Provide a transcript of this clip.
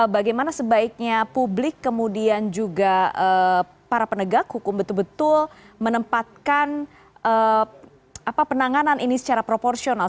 bagaimana sebaiknya publik kemudian juga para penegak hukum betul betul menempatkan penanganan ini secara proporsional